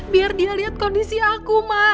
biar dia lihat kondisi aku ma